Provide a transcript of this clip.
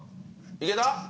いけた？